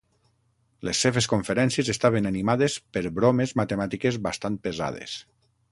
Les seves conferències estaven animades per bromes matemàtiques bastant pesades.